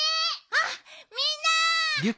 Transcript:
あっみんな。